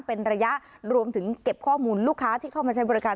เป็นระยะรวมถึงเก็บข้อมูลลูกค้าที่เข้ามาใช้บริการ